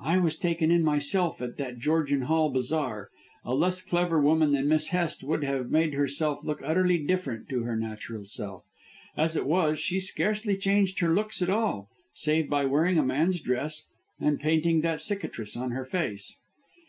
"I was taken in myself at that Georgian Hall Bazaar. A less clever woman than Miss Hest would have made herself look utterly different to her natural self. As it was, she scarcely changed her looks at all save by wearing a man's dress and painting that cicatrice on her face.